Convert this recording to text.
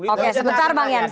oke sebentar bang janssen